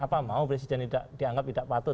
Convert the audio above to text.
apa mau presiden dianggap tidak patut